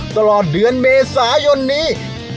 ตลอดเดือนเมษายนนี้